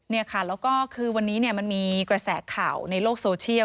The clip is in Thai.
นี่ค่ะแล้วก็คือวันนี้มันมีกระแสข่าวในโลกโซเชียล